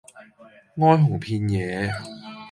哀鴻遍野